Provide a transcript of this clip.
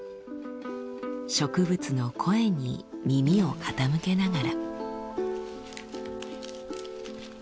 植物の声に耳を傾けながら。